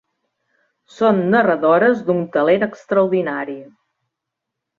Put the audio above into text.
Són narradores d'un talent extraordinari.